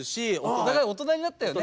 お互い大人になったよね。